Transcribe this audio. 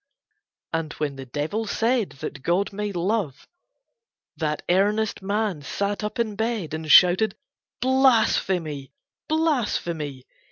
And when the Devil said that God made Love that earnest man sat up in bed and shouted "Blasphemy! Blasphemy!"